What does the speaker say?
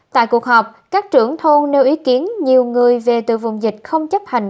tại cuộc họp các trưởng thôn nêu ý kiến nhiều người về từ vùng dịch không chấp hành